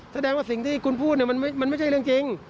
แสดงว่าสิ่งที่คุณพูดมันไม่ใช่เรื่องจริง